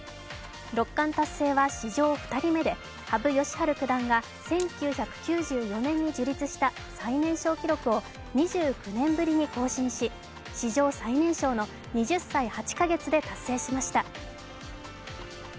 六冠達成は史上人目で羽生善治九段が１９９４年に樹立した最年少記録を２９年ぶりに更新し史上最年少の、２０歳８か月で達成しました。